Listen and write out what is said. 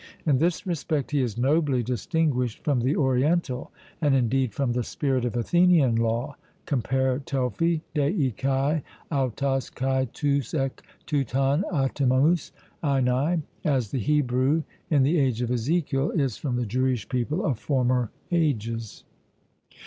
In this respect he is nobly distinguished from the Oriental, and indeed from the spirit of Athenian law (compare Telfy, dei kai autous kai tous ek touton atimous einai), as the Hebrew in the age of Ezekial is from the Jewish people of former ages.